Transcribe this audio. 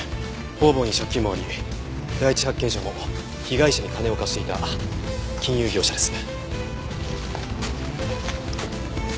方々に借金もあり第一発見者も被害者に金を貸していた金融業者です。